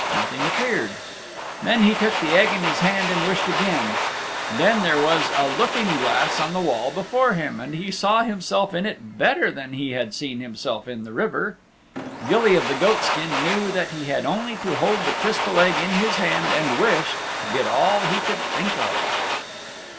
Nothing appeared. Then he took the egg in his hand and wished again. And then there was a looking glass on the wall before him, and he saw himself in it better than he had seen himself in the river. Gilly of the Goatskin knew that he had only to hold the Crystal Egg in his hand and wish, to get all he could think of.